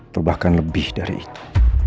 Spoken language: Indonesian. terubahkan lebih dari itu